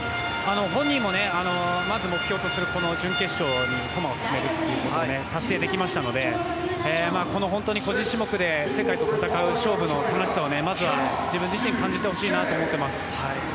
本人もまず目標とする準決勝に駒を進めるということで達成できましたので個人種目で世界と戦う勝負の楽しさをまずは、自分自身感じてほしいなと思っています。